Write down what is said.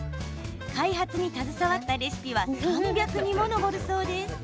開発に携わったレシピは３００にも上るそうです。